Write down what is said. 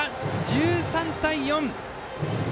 １３対４！